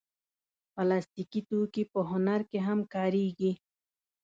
پلاستيکي توکي په هنر کې هم کارېږي.